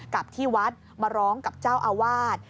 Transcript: กลับที่วัดมาร้องกับเจ้าอาวาส